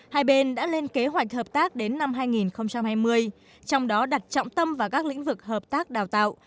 hai bên đã lên kế hoạch hợp tác đến năm hai nghìn hai mươi trong đó đặt trọng tâm vào các lĩnh vực hợp tác đào tạo